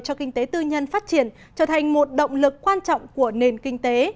cho kinh tế tư nhân phát triển trở thành một động lực quan trọng của nền kinh tế